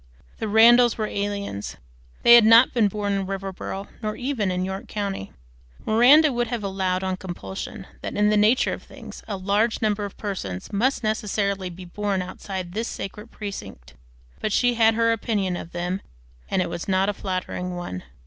The Randalls were aliens. They had not been born in Riverboro nor even in York County. Miranda would have allowed, on compulsion, that in the nature of things a large number of persons must necessarily be born outside this sacred precinct; but she had her opinion of them, and it was not a flattering one.